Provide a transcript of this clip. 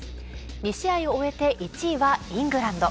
２試合を終えて１位はイングランド。